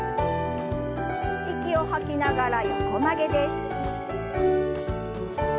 息を吐きながら横曲げです。